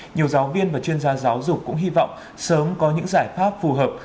nhiều giáo viên và chuyên gia giáo dục cũng hy vọng sớm có những giải pháp phù hợp